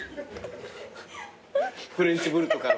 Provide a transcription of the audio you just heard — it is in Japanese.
フレンチブルとかの。